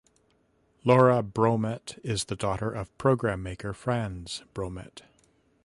Laura Bromet is the daughter of program maker Frans Bromet.